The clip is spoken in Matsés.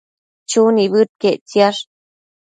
Chu nibëdquiec ictisash